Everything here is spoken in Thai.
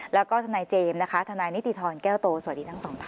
แล้วก็ทนายเจมส์นะคะทนายนิติธรแก้วโตสวัสดีทั้งสองท่าน